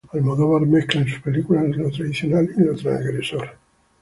Almodóvar mezcla en sus películas lo tradicional y lo transgresor.